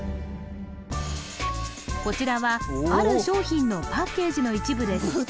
こちらはある商品のパッケージの一部です・む